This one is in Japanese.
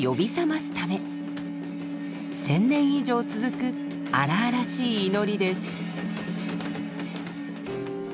１，０００年以上続く荒々しい祈りです。